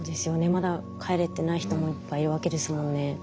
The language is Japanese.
まだ帰れてない人もいっぱいいるわけですもんね。